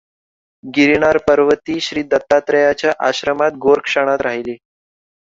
गिरिनारपर्वतीं श्रीदत्तात्रेयाच्या आश्रमांत गोरक्षनाथ राहिला.